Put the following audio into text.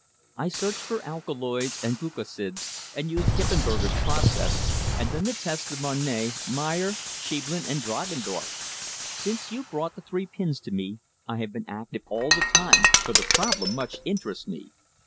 I searched for alkaloids and glucosids, and used Kippenberger's process, and then the tests of Marne, Meyer, Scheiblen and Dragendorff. Since you brought the three pins to me I have been active all the time, for the problem much interests me.